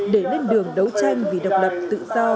để lên đường đấu tranh vì độc lập tự do